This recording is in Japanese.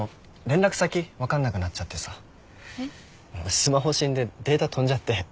スマホ死んでデータ飛んじゃって。